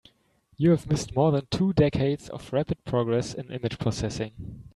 You have missed more than two decades of rapid progress in image processing.